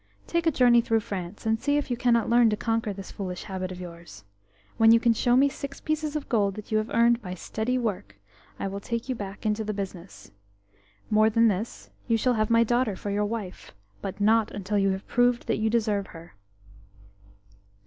Take a journey through France, and see if you cannot learn to conquer this foolish habit of yours. When you can show me six pieces of gold that you have earned by steady work, I will take you back into the business. More than this, you shall have my daughter for your wife; but not until you have proved that you deserve her."